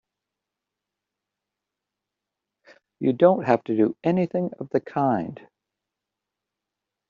You don't have to do anything of the kind!